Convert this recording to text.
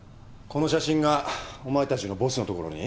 この写真がお前たちのボスのところに？